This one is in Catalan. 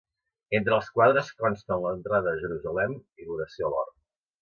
Entre els quadres consten l’entrada a Jerusalem i l’oració a l’hort.